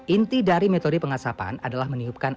inti dari metode pengasapan adalah meniupkan